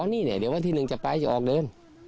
อ้อนี่เนี่ยเยี่ยมวันที่๑จะไปจะออกเดิน